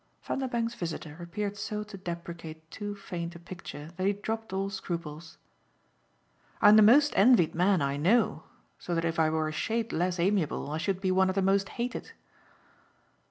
Vanderbank's visitor appeared so to deprecate too faint a picture that he dropped all scruples. "I'm the most envied man I know so that if I were a shade less amiable I should be one of the most hated."